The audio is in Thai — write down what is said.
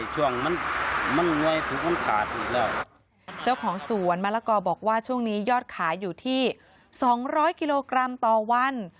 เจ้าของสวนมะละกอบอกว่าช่วงนี้ยอดขายอยู่ที่๒๐๐กิโลกรัมต่อวัน